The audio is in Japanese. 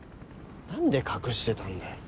何で隠してたんだよ。